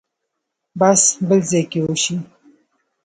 بحث بل ځای کې وشي.